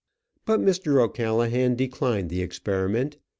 But Mr. O'Callaghan declined the experiment.